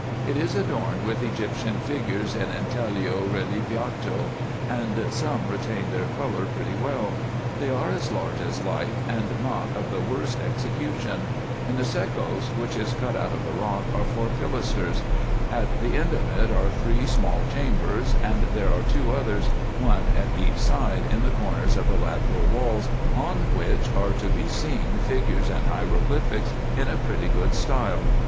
It is adorned with Egyptian figures in intaglio relievato, and some retain their colour pretty well. They are as large as life, and not of the worst execution. In the sekos, which is cut out of R R 306 RESEARCHES AND OPERATIONS the rock, are four pilasters. At the end of it are three small chambers ; and there are two others, one at each side, in the corners of the lateral walls, on which are to be seen figures and hieroglyphics in a pretty good style.